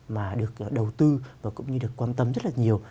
mà được đầu tư và cũng như được quan tâm rất là nhiều